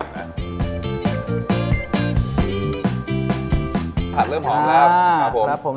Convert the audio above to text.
เริ่มหอมแล้วครับผม